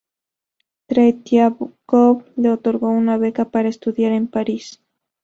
Tretiakov le otorgó una beca para estudiar en París.